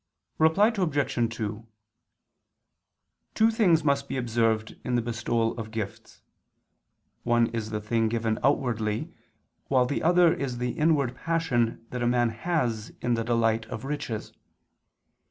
Reply Obj. 2: Two things must be observed in the bestowal of gifts. One is the thing given outwardly, while the other is the inward passion that a man has in the delight of riches.